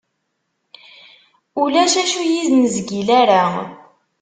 Ulac acu ur yi-nezgil ara.